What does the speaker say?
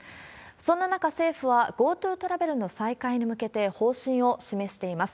そんな中、政府はＧｏＴｏトラベルの再開に向けて方針を示しています。